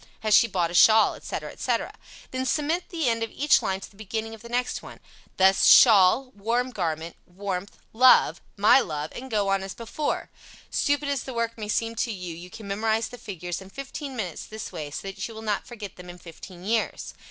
"Has she bought a shawl?" etc., etc. Then cement the end of each line to the beginning of the next one, thus, "Shawl" "warm garment" "warmth" "love" "my love," and go on as before. Stupid as the work may seem to you, you can memorize the figures in fifteen minutes this way so that you will not forget them in fifteen years.